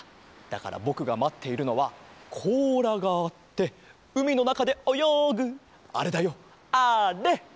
だからぼくがまっているのはこうらがあってうみのなかでおよぐあれだよあれ！